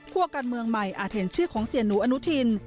พวกการเมืองใหม่อาจเห็นชื่อของเสียหนูอนุทิน